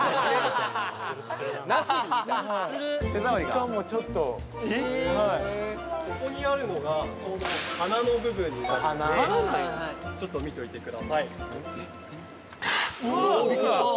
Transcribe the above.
質感もちょっとはいここにあるのがちょうど鼻の部分になってちょっと見ておいてください・おっビックリした！